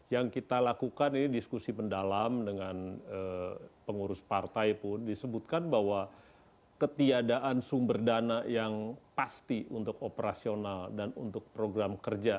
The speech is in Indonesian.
yang kita lakukan ini diskusi pendalam dengan pengurus partai pun disebutkan bahwa ketiadaan sumber dana yang pasti untuk operasional dan untuk program kerja